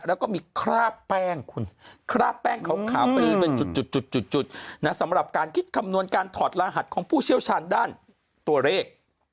แล้วก็มีคราบแป้งคุณคราบแป้งขาวปลือเป็นจุดสำหรับการคิดคำนวณการถอดรหัสของผู้เชี่ยวชาญด้านตัวเลข